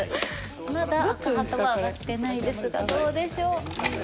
まだ赤旗は上がってないですがどうでしょう？